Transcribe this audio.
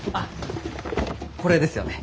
これですよね？